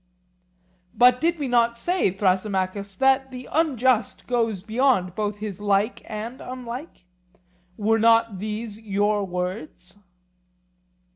But did we not say, Thrasymachus, that the unjust goes beyond both his like and unlike? Were not these your words?